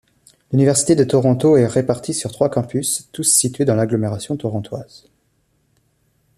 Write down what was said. L'Université de Toronto est répartie sur trois campus, tous situés dans l’agglomération torontoise.